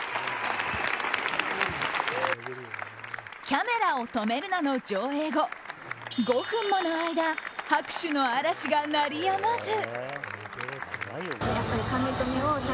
「キャメラを止めるな！」の上映後５分もの間拍手の嵐が鳴りやまず。